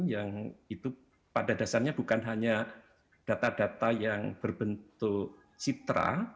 yang itu pada dasarnya bukan hanya data data yang berbentuk citra